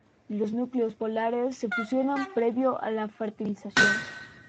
Los núcleos polares se fusionan previo a la fertilización.